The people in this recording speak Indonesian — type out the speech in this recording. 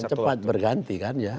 cepat berganti kan ya